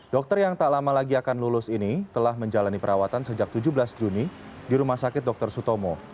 dokter yang tak lama lagi akan lulus ini telah menjalani perawatan sejak tujuh belas juni di rumah sakit dr sutomo